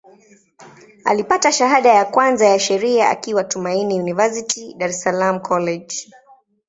Alipata shahada ya kwanza ya Sheria akiwa Tumaini University, Dar es Salaam College.